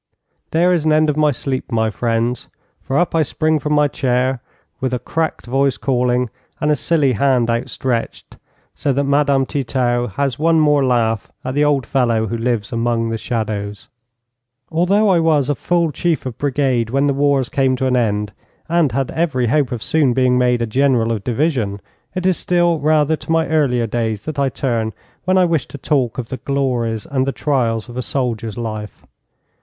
There is an end of my sleep, my friends, for up I spring from my chair, with a cracked voice calling and a silly hand outstretched, so that Madame Titaux has one more laugh at the old fellow who lives among the shadows. Although I was a full Chief of Brigade when the wars came to an end, and had every hope of soon being made a General of Division, it is still rather to my earlier days that I turn when I wish to talk of the glories and the trials of a soldier's life.